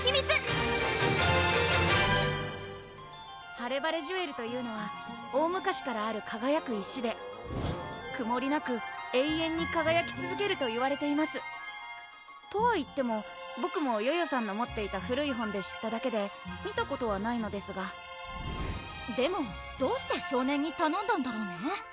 ハレバレジュエルというのは大昔からあるかがやく石でくもりなく永遠にかがやきつづけるといわれていますとはいってもボクもヨヨさんの持っていた古い本で知っただけで見たことはないのですがでもどうして少年にたのんだんだろうね